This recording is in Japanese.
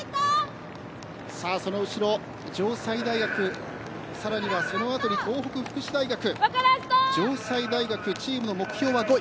その後ろ城西大学さらにはその後に東北福祉大学城西大学チームの目標は５位。